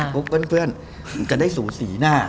กรุ๊ปเพื่อนก็ได้สูสีหน้า